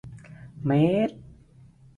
เมตร